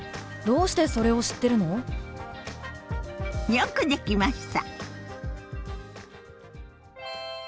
よくできました！